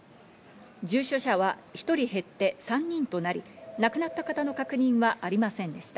重症者は１人減って３人となり、亡くなった方の確認はありませんでした。